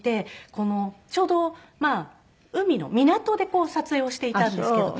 ちょうど海の港で撮影をしていたんですけど。